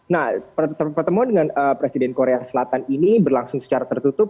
nah pertemuan dengan presiden korea selatan ini berlangsung secara tertutup